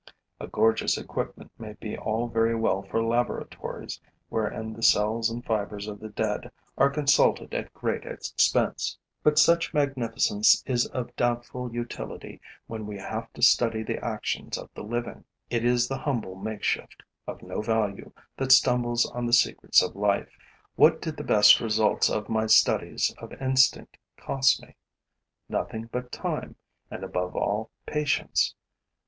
A gorgeous equipment may be all very well for laboratories wherein the cells and fibers of the dead are consulted at great expense; but such magnificence is of doubtful utility when we have to study the actions of the living. It is the humble makeshift, of no value, that stumbles on the secrets of life. What did the best results of my studies of instinct cost me? Nothing but time and, above all, patience.